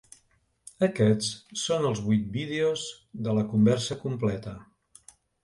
Aquests són els vuit vídeos de la conversa completa.